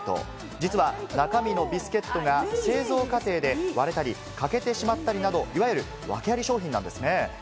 実は中身のビスケットが製造過程で割れたり欠けてしまったりなど、いわゆる訳あり商品なんですね。